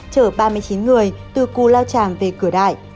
chở ba mươi chín người từ cù lao tràm về cửa đại